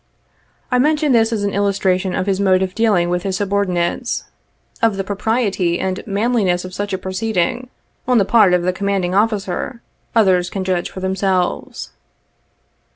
I mention this as an illustration of his mode of dealing with his subordinates. Of the propriety and manliness of such a proceeding, on the part of the Com manding Officer, others can judge for themselves.